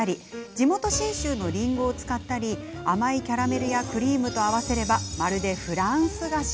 地元、信州のりんごを使ったり甘いキャラメルやクリームと合わせればまるでフランス菓子。